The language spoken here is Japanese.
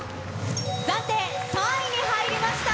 暫定３位に入りました。